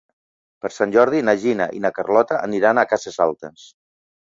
Per Sant Jordi na Gina i na Carlota aniran a Cases Altes.